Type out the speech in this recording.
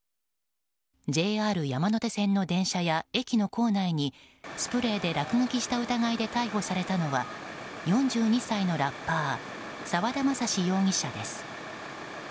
ＪＲ山手線の電車や駅の構内にスプレーで落書きした疑いで逮捕されたのは４２歳のラッパー沢田政嗣容疑者です。